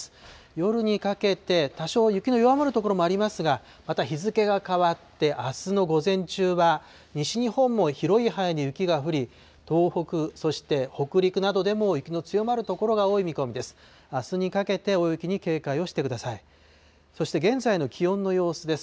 夜にかけて、多少、雪の弱まる所もありますが、また日付が変わって、あすの午前中は、西日本も広い範囲で雪が降り、東北、そして北陸などでも雪の強まる所が多い見込みです。